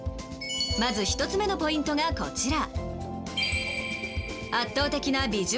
まず１つ目のポイントがこちら。